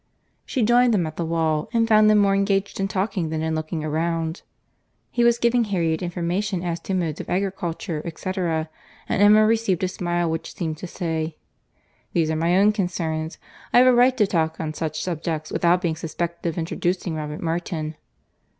—She joined them at the wall, and found them more engaged in talking than in looking around. He was giving Harriet information as to modes of agriculture, etc. and Emma received a smile which seemed to say, "These are my own concerns. I have a right to talk on such subjects, without being suspected of introducing Robert Martin."